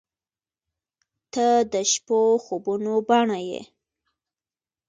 • ته د شپو خوبونو بڼه یې.